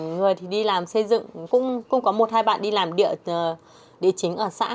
người thì đi làm xây dựng cũng có một hai bạn đi làm địa chính ở xã